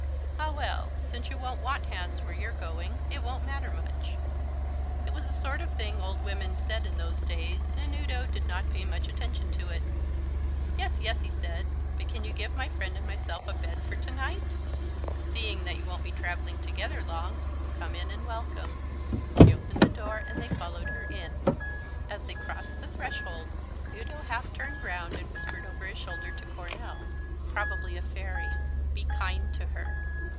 "Ah, well, since you won't want hands where you're going, it won't matter much." It was the sort of thing old women said in those days, and Udo did not pay much attention to it. "Yes, yes," he said; "but can you give my friend and myself a bed for to night?" "Seeing that you won't be travelling together long, come in and welcome." She opened the door and they followed her in. As they crossed the threshold, Udo half turned round and whispered over his shoulder to Coronel, "Probably a fairy. Be kind to her."